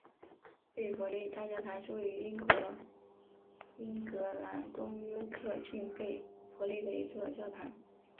贝弗利大教堂是位于英国英格兰东约克郡贝弗利的一座教堂。